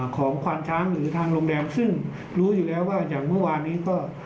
ควานช้างหรือทางโรงแรมซึ่งรู้อยู่แล้วว่าอย่างเมื่อวานนี้ก็